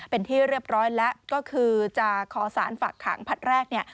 เป็นที่เรียบร้อยแล้วก็คือจะขอสารฝากขังผลัดแรกเนี่ย